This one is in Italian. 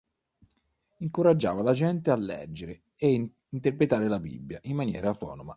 Incoraggiava la gente a leggere e interpretare la Bibbia in maniera autonoma.